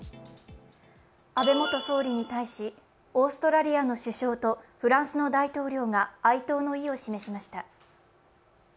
安倍元総理に対しオーストラリアの首相とフランスの大統領が哀悼の意を示しました。